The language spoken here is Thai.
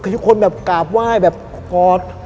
ทุกคนแบบกาบว่ายแบบกอด